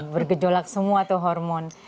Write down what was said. bergejolak semua tuh hormon